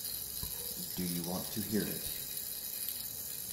Do you want to hear it?